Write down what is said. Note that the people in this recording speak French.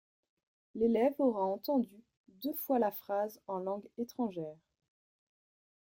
L'élève aura entendu deux fois la phrase en langue étrangère.